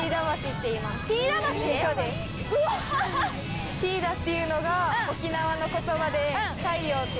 「てぃーだ」っていうのが沖縄の言葉で太陽って意味。